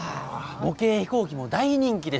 模型飛行機も大人気でした。